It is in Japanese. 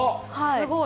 すごい。